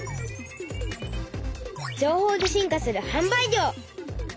「情報で進化する販売業」。